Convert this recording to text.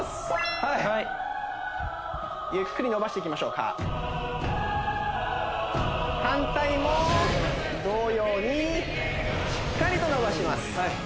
はいはいゆっくり伸ばしていきましょうか反対も同様にしっかりと伸ばします